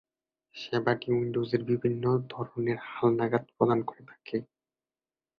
সেবাটি উইন্ডোজের জন্য বিভিন্ন ধরনের হালনাগাদ প্রদান করে থাকে।